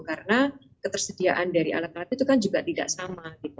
karena ketersediaan dari alat alat itu kan juga tidak sama